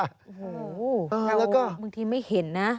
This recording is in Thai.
โอ้โฮบางทีไม่เห็นนะ